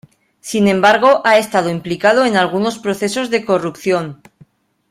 Sin embargo ha estado implicado en algunos procesos de corrupción.